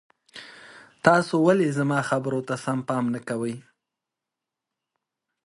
تاسو ولي زما خبرو ته سم پام نه کوئ؟